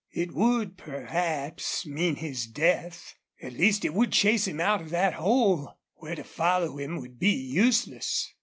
It would perhaps mean his death; at least it would chase him out of that hole, where to follow him would be useless.